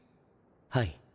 はい。